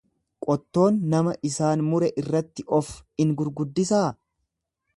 Qottoon nama isaan muree irratti of in gurguddisaa?